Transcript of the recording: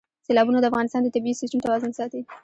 سیلابونه د افغانستان د طبعي سیسټم توازن ساتي.